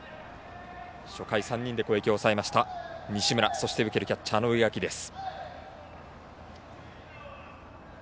初回３人で攻撃を抑えました西村、そして受けるキャッチャーの植垣です。